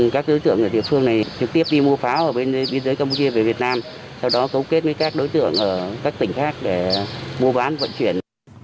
các đối tượng ở địa phương này trực tiếp đi mua pháo ở bên biên giới campuchia về việt nam sau đó cấu kết với các đối tượng ở các tỉnh khác để mua bán vận chuyển